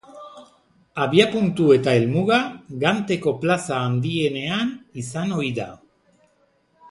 Abiapuntu eta helmuga Ganteko plaza handienean izan ohi da.